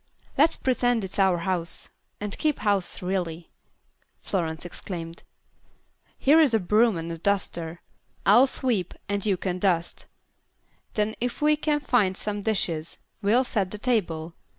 "Let's pretend it's our house, and keep house really," Florence exclaimed. "Here is a broom and a duster. I'll sweep and you can dust. Then if we can find some dishes, we'll set the table.